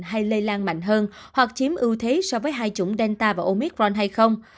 hay lây lan mạnh hơn hoặc chiếm ưu thế so với hai chủng delta và omicron hay không